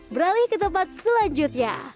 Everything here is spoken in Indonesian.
beralih ke tempat selanjutnya